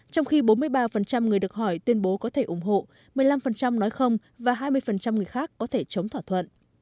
trong khi bốn mươi ba người được hỏi tuyên bố có thể ủng hộ một mươi năm nói không và hai mươi người khác có thể chống thỏa thuận